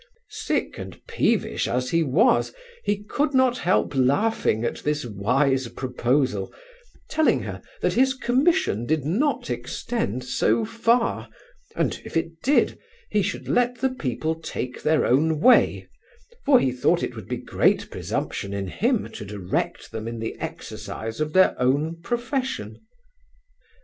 Sick and peevish as he was, he could not help laughing at this wise proposal, telling her, that his commission did not extend so far, and, if it did, he should let the people take their own way; for he thought it would be great presumption in him to direct them in the exercise of their own profession.